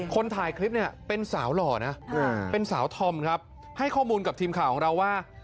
คนถ่ายคลิปเนี่ยเป็นสาวหล่อนะเป็นสาวธอมครับให้ข้อมูลกับทีมข่าวของเราว่า